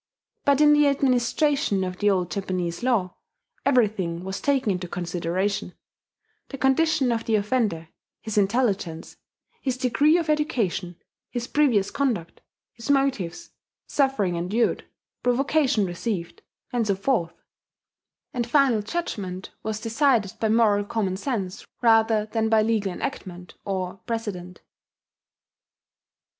But in the administration of the old Japanese law, everything was taken into consideration: the condition of the offender, his intelligence, his degree of education, his previous conduct, his motives, suffering endured, provocation received, and so forth; and final judgment was decided by moral common sense rather than by legal enactment or precedent.